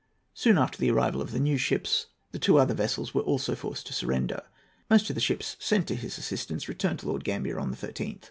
Soon after the arrival of the new ships, the two other vessels were also forced to surrender. Most of the ships sent to his assistance returned to Lord Grambier on the 13th.